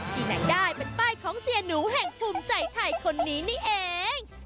ที่ไหนได้เป็นป้ายของเสียหนูแห่งภูมิใจไทยคนนี้นี่เอง